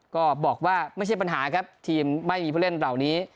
ก็บอกว่าไม่ใช่ปัญหาครับทีมไม่มีผู้เล่นเหล่านี้